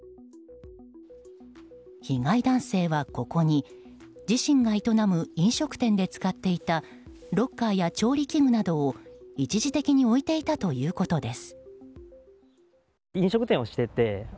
被害男性は、ここに自身が営む飲食店で使っていたロッカーや調理器具などを一時的に置いていたということです。